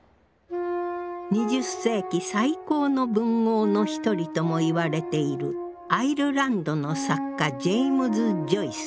２０世紀最高の文豪の一人ともいわれているアイルランドの作家ジェイムズ・ジョイス。